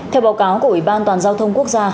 theo báo cáo của ủy ban toàn giao thông quốc gia